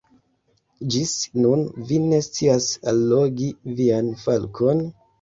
Ĝis nun vi ne scias allogi vian falkon?